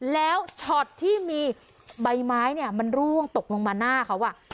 แล้วช็อตที่มีใบไม้เนี่ยมันร่วงตกลงมาหน้าเขา